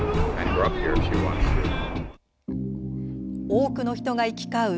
多くの人が行き交う